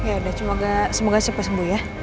ya udah semoga siapa sembuh ya